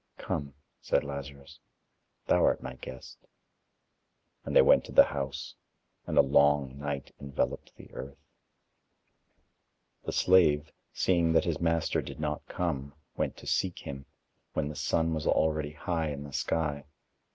"Come" said Lazarus "Thou art my guest." And they went to the house. And a long night enveloped the earth. The slave, seeing that his master did not come, went to seek him, when the sun was already high in the sky.